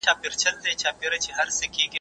هغه وایي چې وخت ډېر مهم دی.